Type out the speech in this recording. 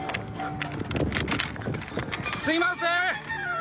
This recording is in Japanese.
すいませーん！